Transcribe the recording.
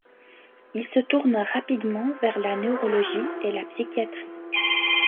Il se tourne rapidement vers la neurologie et la psychiatrie.